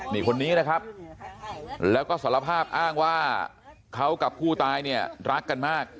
นี่คนนี้นะครับแล้วก็สารภาพอ้างว่าเขากับผู้ตายเนี่ยรักกันมาก